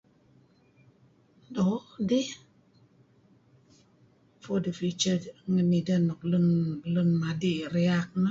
do' dih for the future ngen ideh lun madi riak